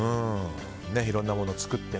いろんなものを作って。